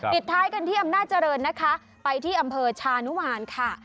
ปิดท้ายกันที่อำนาจเจริญนะคะไปที่อำเภอชานุมานค่ะ